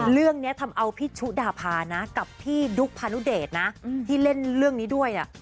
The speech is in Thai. เรื่องนี้ทำเอาพี่ชุดาพานะกับพี่ดุ๊กพานุเดชนะที่เล่นเรื่องนี้ด้วยเนี่ย